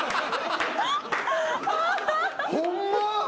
ホンマ？